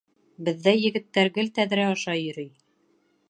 Беҙҙә егеттәр гел тәҙрә аша йөрөй.